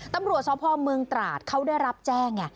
ตำรวจสพเมืองตราดเขาได้รับแจ้งไง